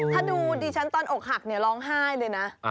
ถ้าดูดิฉันตอนอกหักเนี่ยร้องไห้เลยนะ